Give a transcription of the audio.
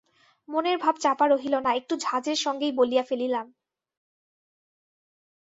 মনের ভাব চাপা রহিল না, একটু ঝাঁজের সঙ্গেই বলিয়া ফেলিলাম।